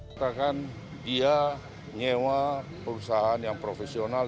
katakan dia nyewa perusahaan yang profesional